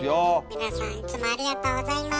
皆さんいつもありがとうございます。